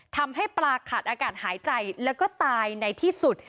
ทำให้ปลาขาดอากาศหายใจแล้วก็ตายในที่สุด